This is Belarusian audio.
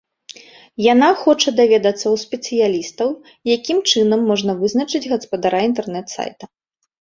Яна хоча даведацца ў спецыялістаў, якім чынам можна вызначыць гаспадара інтэрнэт-сайта.